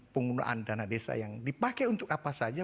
penggunaan dana desa yang dipakai untuk apa saja